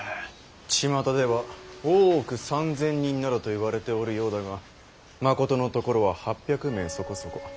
ちまたでは大奥３，０００人などといわれておるようだがまことのところは８００名そこそこ。